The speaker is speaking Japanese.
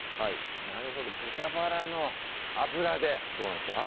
なるほど豚バラの油でそうなんですよ